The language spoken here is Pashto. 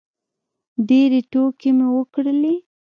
ډېرې ټوکې مو وکړلې.